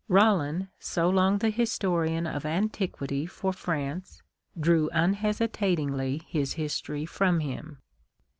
Rollin, so long the historian of antiquity for France, drew unhesitatingly his history from him.